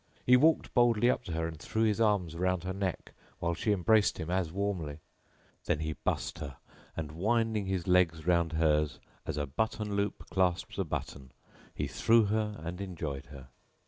[FN#7] He walked boldly up to her and threw his arms round her neck while she embraced him as warmly; then he bussed her and winding his legs round hers, as a button loop clasps a button, he threw her and enjoyed her.